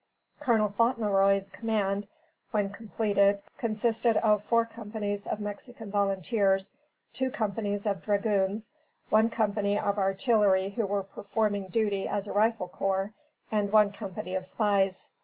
Col. Fauntleroy's command, when completed, consisted of four companies of Mexican volunteers, two companies of dragoons, one company of artillery who were performing duty as a rifle corps, and one company of spies.